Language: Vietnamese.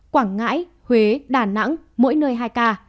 quảng ngãi huế đà nẵng mỗi nơi hai ca